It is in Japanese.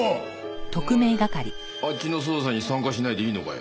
お前あっちの捜査に参加しないでいいのかよ。